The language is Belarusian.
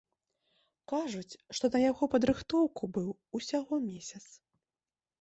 Кажуць, што на яго падрыхтоўку быў усяго месяц.